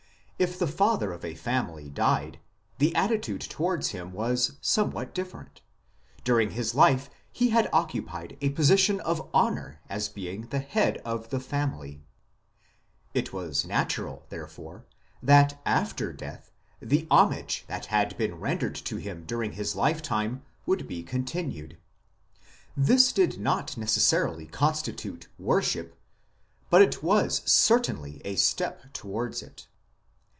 If the father of a family died the attitude towards him was somewhat different ; during his life he had occupied a position of honour as being the head of the family. It was natural, therefore, that after death the homage that had been rendered to him during his lifetime would be con tinued. This did not necessarily constitute worship, but it was certainly a step towards it.